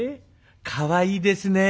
「かわいいですね」。